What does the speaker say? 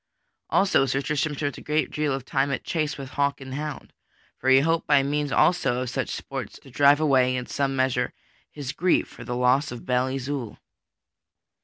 Also Sir Tristram spent a great deal of time at chase with hawk and hound; for he hoped by means also of such sports to drive away, in some measure, his grief for the loss of Belle Isoult.